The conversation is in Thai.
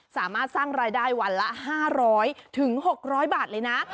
สามารถสร้างรายได้วันละ๕๐๐๖๐๐บาทเลยนะ